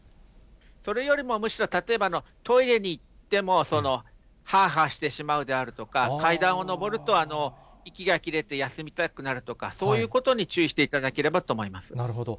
それよりもむしろ、例えばトイレに行ってもはあはあしてしまうであるとか、階段を上ると、息が切れて休みたくなるとか、そういうことに注意していただけなるほど。